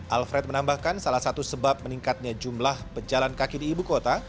alfred menambahkan salah satu sebab meningkatnya jumlah pejalan kaki di ibu kota